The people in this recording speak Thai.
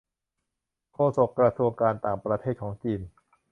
โฆษกกระทรวงการต่างประเทศของจีน